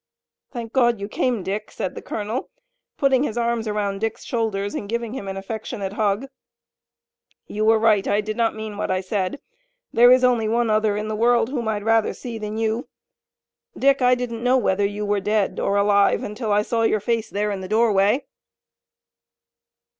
"Thank God you came, Dick," said the colonel putting his arms around Dick's shoulders, and giving him an affectionate hug. "You were right. I did not mean what I said. There is only one other in the world whom I'd rather see than you. Dick, I didn't know whether you were dead or alive, until I saw your face there in the doorway."